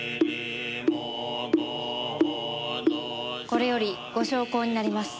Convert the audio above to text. これよりご焼香になります。